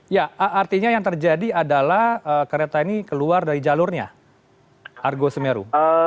ya artinya yang terjadi adalah kereta ini keluar dari jalurnya argo semeru